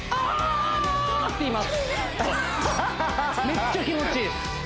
めっちゃ気持ちいいです